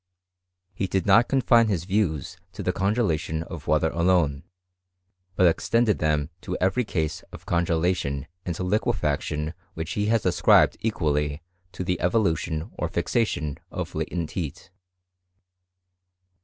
He did not confine his views to tiie congelation of water alone, but extended them to every case of congelation and liquefaction which he has ascribed equally to the evolution or fixation of latent heat.